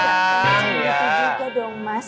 cepetan juga dong mas